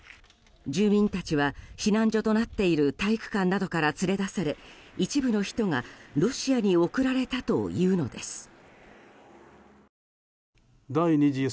住民たちは避難所となっている体育館などから連れ出され一部の人がロシアに送られたというのです。